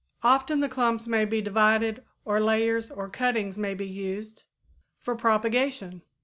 Often the clumps may be divided or layers or cuttings may be used for propagation.